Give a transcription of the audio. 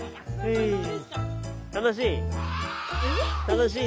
楽しい？